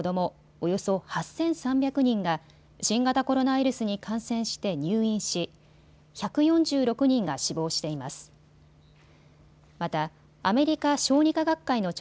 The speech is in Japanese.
およそ８３００人が新型コロナウイルスに感染して入院し、１４６人が死亡しています。